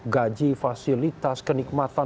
gaji fasilitas kenikmatan